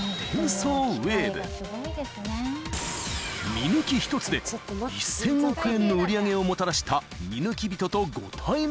［見抜き一つで１，０００億円の売り上げをもたらした見抜き人とご対面］